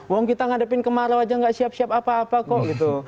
wong kita ngadepin kemarau aja nggak siap siap apa apa kok gitu